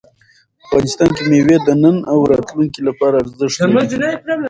افغانستان کې مېوې د نن او راتلونکي لپاره ارزښت لري.